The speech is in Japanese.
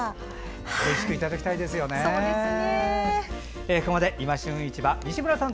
おいしくいただきたいですよね。